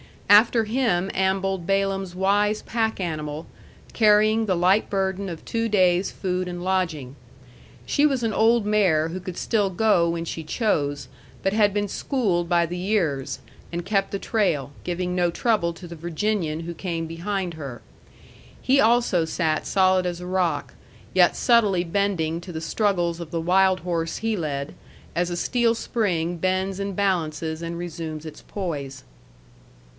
After him ambled Balaam's wise pack animal, carrying the light burden of two days' food and lodging. She was an old mare who could still go when she chose, but had been schooled by the years, and kept the trail, giving no trouble to the Virginian who came behind her. He also sat solid as a rock, yet subtly bending to the struggles of the wild horse he led, as a steel spring bends and balances and resumes its poise.